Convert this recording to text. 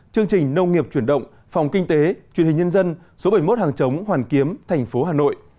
chương trình nông nghiệp chuyển động phòng kinh tế truyền hình nhân dân số bảy mươi một hàng chống hoàn kiếm thành phố hà nội